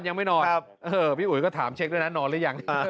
ยังไม่นอนพี่อุ๋ยก็ถามเช็คด้วยนะนอนหรือยัง